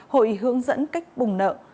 hội những người hướng dẫn cách bùng nợ